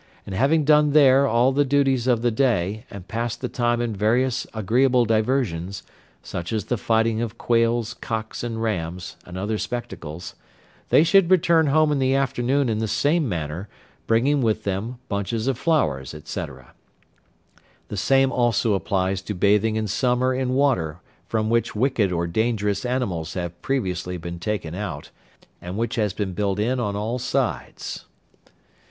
And having done there all the duties of the day, and passed the time in various agreeable diversions, such as the fighting of quails, cocks and rams, and other spectacles, they should return home in the afternoon in the same manner, bringing with them bunches of flowers, &c. The same also applies to bathing in summer in water from which wicked or dangerous animals have previously been taken out, and which has been built in on all sides.